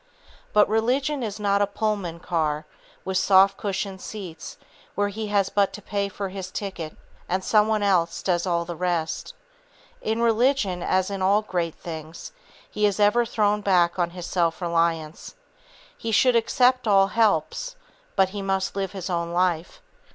But religion is not a Pullman car, with soft cushioned seats, where he has but to pay for his ticket, and some one else does all the rest. In religion, as in all other great things, he is ever thrown back on his self reliance. He should accept all helps, but, he must live his own life.